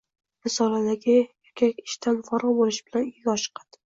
Risoladagi erkak ishdan forig‘ bo‘lishi bilan uyiga oshiqadi.